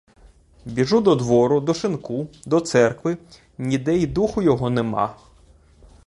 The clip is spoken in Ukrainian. Біжу до двору, до шинку, до церкви — ніде й духу його нема!